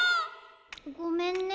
ごめんね。